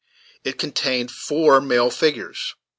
It contained four male figures.